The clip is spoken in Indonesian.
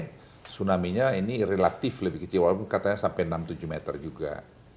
tsunami nya ini relatif lebih kecil walaupun katanya sampai enam tujuh meter juga